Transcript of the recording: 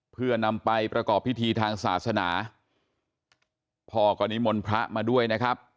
เพื่อนำไปประกอบพิธีทางศาสนาพ่อก็นิมนต์พระมาด้วยนะครับ